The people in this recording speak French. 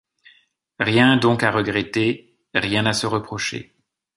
Rien donc à regretter, rien à se reprocher.